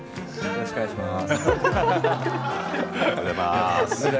よろしくお願いします。